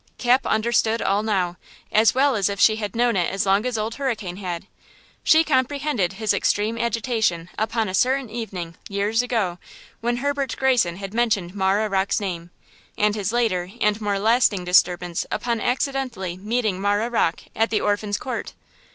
Cap understood all now, as well as if she had known it as long as Old Hurricane had. She comprehended his extreme agitation upon a certain evening, years ago, when Herbert Greyson had mentioned Marah Rocke's name, and his later and more lasting disturbance upon accidentally meeting Marah Rocke at the Orphans' Court.